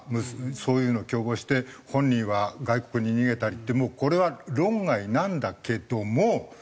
そういうのを共謀して本人は外国に逃げたりってもうこれは論外なんだけども。